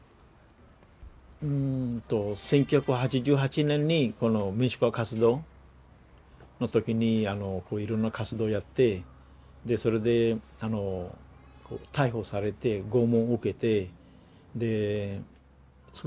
うんと１９８８年にこの民主化活動の時にいろんな活動をやってでそれで逮捕されて拷問を受けてです